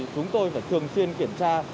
chúng tôi phải thường xuyên kiểm tra